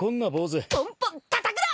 ポンポンたたくな！